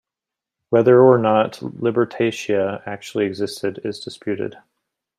Whether or not Libertatia actually existed is disputed.